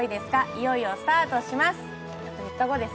いよいよスタートします。